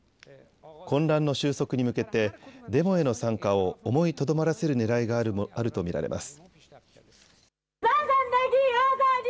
混乱の収束に向けてデモへの参加を思いとどまらせるねらいがあると見られます。